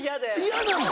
嫌なの？